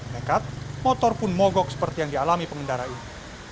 nekat motor pun mogok seperti yang dialami pengendara ini